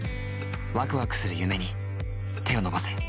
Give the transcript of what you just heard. ワクワクする夢に手を伸ばせ。